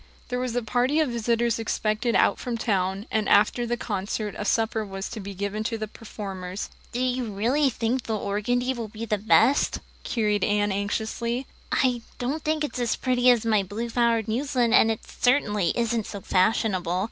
There was a party of visitors expected out from town, and after the concert a supper was to be given to the performers. "Do you really think the organdy will be best?" queried Anne anxiously. "I don't think it's as pretty as my blue flowered muslin and it certainly isn't so fashionable."